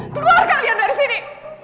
keluar kalian dari sini